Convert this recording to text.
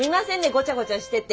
ごちゃごちゃしてて。